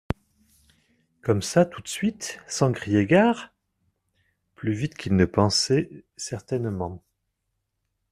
Comme ça, tout de suite, sans crier gare ? Plus vite qu'il ne pensait certainement.